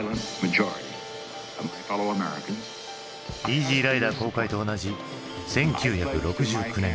「イージー★ライダー」公開と同じ１９６９年。